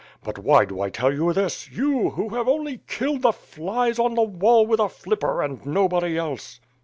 But why do I tell you this, you, who have only killed the flies on the wall with a flipper, and nobody else."